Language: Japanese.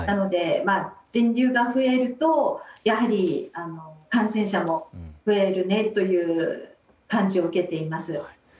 人流が増えると、やはり感染者も増えるという感じを受けています。